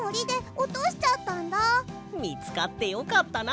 みつかってよかったな！